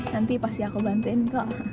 nanti pasti aku bantuin kak